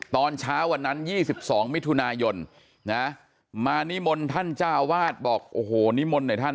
ตอนเช้าวันนั้น๒๒มิถุนายนนะมานิมนต์ท่านเจ้าวาดบอกโอ้โหนิมนต์หน่อยท่าน